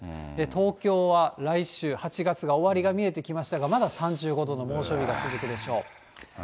東京は来週、８月が終わりが見えてきましたが、まだ３５度の猛暑日が続くでしょう。